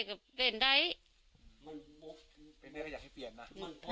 มันบุกไปไหมกะอยากให้เปลี่ยนนะ